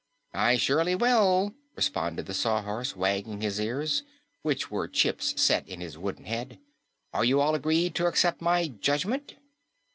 "I surely will," responded the Sawhorse, wagging his ears, which were chips set in his wooden head. "Are you all agreed to accept my judgment?"